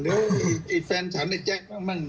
เดี๋ยวแฟนฉันไอล์แจ็คมั้ง